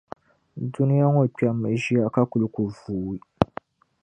Dunia ŋɔ kpɛmmi ʒiɛya, ka kul ku vuui.